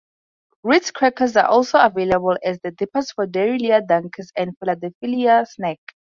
Ritz Crackers are also available as the dippers for Dairylea Dunkers and Philadelphia Snack.